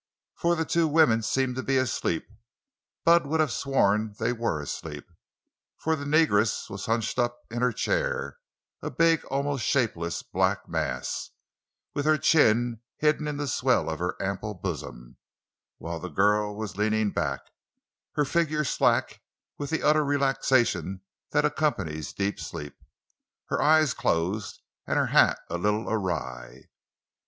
For the two women seemed to be asleep. Bud would have sworn they were asleep! For the negress was hunched up in her chair—a big, almost shapeless black mass—with her chin hidden in the swell of her ample bosom; while the girl was leaning back, her figure slack with the utter relaxation that accompanies deep sleep, her eyes closed and her hat a little awry.